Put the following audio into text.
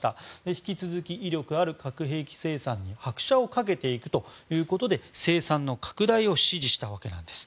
引き続き威力ある核兵器生産に拍車をかけていくということで生産の拡大を指示したわけなんです。